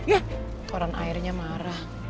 tuan airnya marah